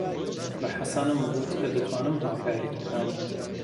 بە حەسەنم گوت کە دەتوانم هاوکاریت بکەم.